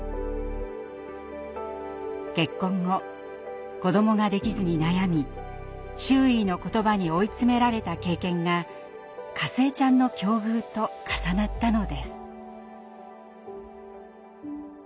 結婚後子どもができずに悩み周囲の言葉に追い詰められた経験がかずえちゃんの境遇と重なったのです。